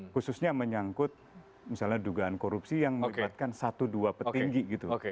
khususnya menyangkut misalnya dugaan korupsi yang melibatkan satu dua petinggi gitu